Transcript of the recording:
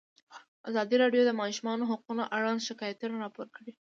ازادي راډیو د د ماشومانو حقونه اړوند شکایتونه راپور کړي.